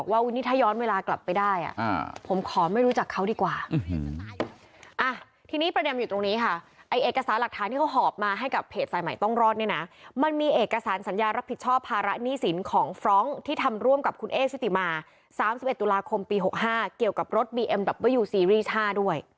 เขาถึงขั้นพูดเลยว่า